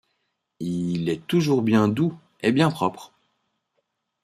Il est toujours bien doux et bien propre.